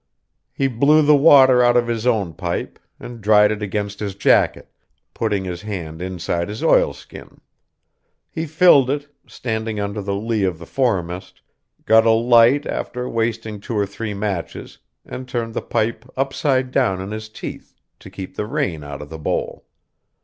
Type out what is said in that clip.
He blew the water out of his own pipe, and dried it against his jacket, putting his hand inside his oilskin; he filled it, standing under the lee of the foremast, got a light after wasting two or three matches, and turned the pipe upside down in his teeth, to keep the rain out of the bowl.